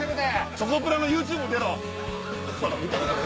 チョコプラのＹｏｕＴｕｂｅ出ろ！